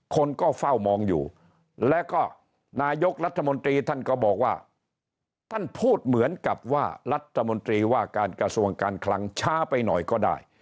คนก็เฝ้ามองอยู่แล้วก็นายกรัฐมนตรีท่านก็บอกว่าท่านพูดเหมือนกับว่ารัฐมนตรีว่าการกระทรวงการคลังช้าไปหน่อยก็ได้